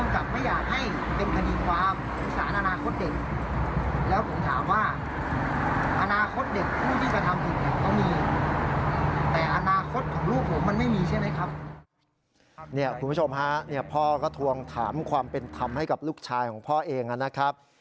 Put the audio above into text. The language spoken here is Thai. แต่อนาคตของลูกผมมันไม่มีใช่ไหมครับเนี่ยคุณผู้ชมฮะเนี่ยพ่อก็ทวงถามความเป็นทำให้กับลูกชายของพ่อเองนะครับ